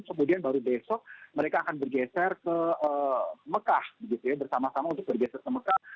kemudian baru besok mereka akan bergeser ke mekah bersama sama untuk bergeser ke mekah